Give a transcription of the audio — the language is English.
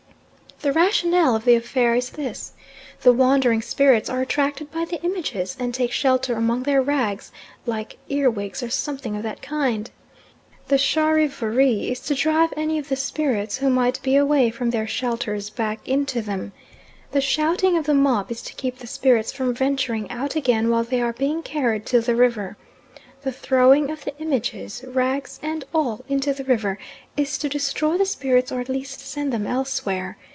The rationale of the affair is this. The wandering spirits are attracted by the images, and take shelter among their rags, like earwigs or something of that kind. The charivari is to drive any of the spirits who might be away from their shelters back into them. The shouting of the mob is to keep the spirits from venturing out again while they are being carried to the river. The throwing of the images, rags and all, into the river, is to destroy the spirits or at least send them elsewhere.